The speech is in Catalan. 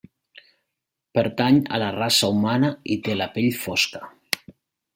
Pertany a la raça humana i té la pell fosca.